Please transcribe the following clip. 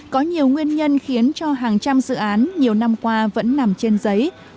có nhiều nguyên nhân khiến cho hàng trăm dự án nhiều năm qua vẫn nằm trên giấy